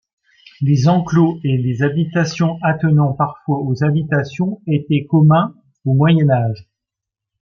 Les enclos et abris attenant parfois aux habitations étaient communs au Moyen Âge.